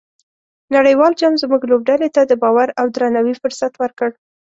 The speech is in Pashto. نړیوال جام زموږ لوبډلې ته د باور او درناوي فرصت ورکړ.